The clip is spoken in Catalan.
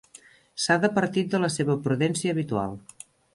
S'ha departit de la seva prudència habitual.